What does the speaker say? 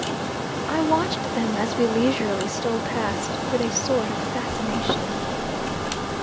I watched them, as we leisurely stole past, with a sort of fascination.